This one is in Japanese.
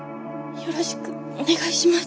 よろしくお願いします！